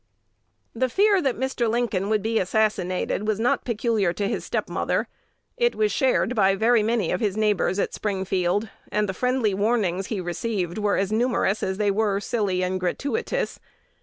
The fear that Mr. Lincoln would be assassinated was not peculiar to his step mother. It was shared by very many of his neighbors at Springfield; and the friendly warnings he received were as numerous as they were silly and gratuitous.